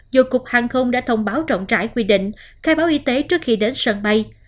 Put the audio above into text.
dù cục hàng không đã thông báo rộng rãi quy định khai báo y tế trước khi đến sân bay